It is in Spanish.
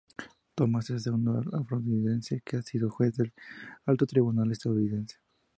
Thomas es el segundo afro-estadounidense que ha sido juez del alto tribunal estadounidense.